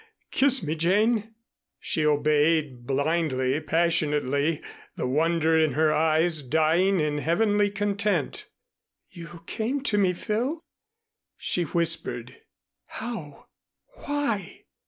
Kiss me, Jane." She obeyed, blindly, passionately, the wonder in her eyes dying in heavenly content. "You came to me, Phil," she whispered. "How? Why?"